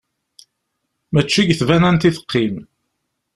Mačči deg tbanant i teqqim!